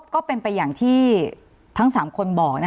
ก็เป็นไปอย่างที่ทั้ง๓คนบอก